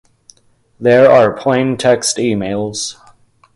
There are plain text emails